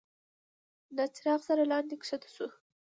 له څراغ سره لاندي کښته شو.